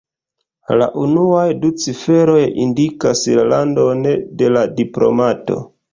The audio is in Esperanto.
La unuaj du ciferoj indikas la landon de la diplomato.